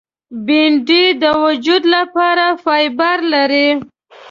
بېنډۍ د وجود لپاره فایبر لري